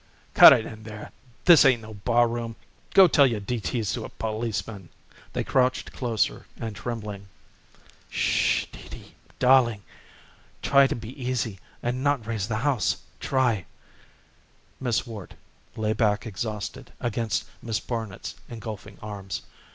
"Cut it, in there! This ain't no barroom. Go tell your D. T.'s to a policeman." They crouched closer and trembling. "'Shh h h! Dee Dee, darling, try to be easy and not raise the house try!" Miss Worte lay back exhausted against Miss Barnet's engulfing arms.